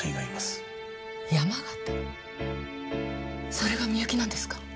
それがミユキなんですか？